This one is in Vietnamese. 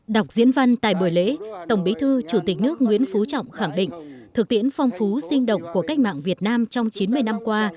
đọc diễn văn tại buổi lễ tổng bí thư chủ tịch nước nguyễn phú trọng khẳng định thực tiễn phong phú sinh động của cách mạng việt nam trong chín mươi năm qua